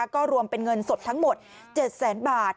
ก็รวมเป็นเงินสดทั้งหมด๗แสนบาท